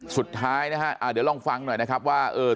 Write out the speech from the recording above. สุดท้ายนะฮะเดี๋ยวลองฟังหน่อยนะครับว่าเออ